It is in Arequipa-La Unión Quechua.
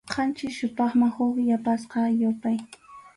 Qanchis yupayman huk yapasqa yupay.